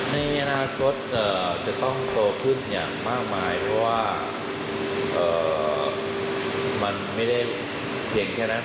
เพราะรู้สึกว่าตัวเชียงแล้วเราควรติดเยอะทำให้สนามถึงอย่างแบบนึง